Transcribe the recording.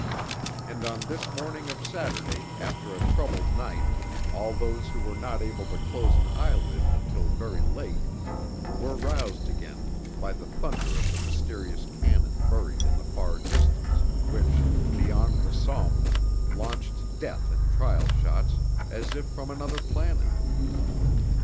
And on this morning of Saturday after a troubled night all those who were not able to close an eyelid until very late were roused again by the thunder of the mysterious cannon buried in the far distance, which, beyond the Somme, launched death in trial shots, as if from another planet.